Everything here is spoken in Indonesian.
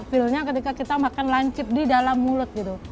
feelnya ketika kita makan lancip di dalam mulut gitu